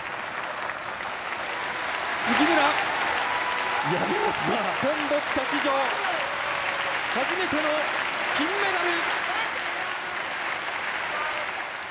杉村、日本ボッチャ史上初めての金メダル！